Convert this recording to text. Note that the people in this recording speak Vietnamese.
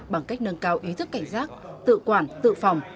bằng cách nâng cao ý thức cảnh giác tự quản tự phòng